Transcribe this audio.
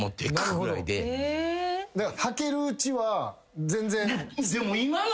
はけるうちは全然。